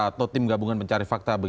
atau tim gabungan mencari fakta